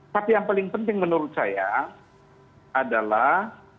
tapi yang paling penting menurut saya adalah